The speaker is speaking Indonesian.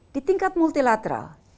di tingkat multilateral